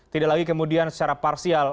tidak lagi kemudian secara parsial